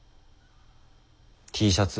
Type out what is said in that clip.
Ｔシャツ。